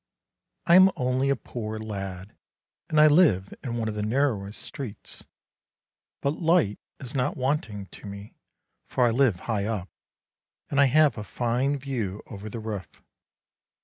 I am only a poor lad, and I live in one of the narrowest streets; but light is not wanting to me, for I live high up, and I have a fine view over the roof.